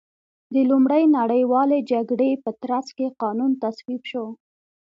د لومړۍ نړیوالې جګړې په ترڅ کې قانون تصویب شو.